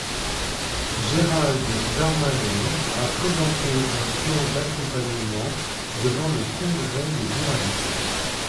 Gérald Darmanin a présenté un plan d’accompagnement devant le Congrès des buralistes.